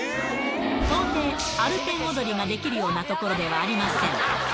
到底アルペン踊りができるような所ではありません。